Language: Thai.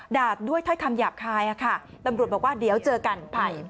ด้วยถ้อยคำหยาบคายค่ะตำรวจบอกว่าเดี๋ยวเจอกันภัย